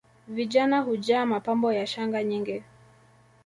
Vijana hujaa mapambo ya shanga nyingi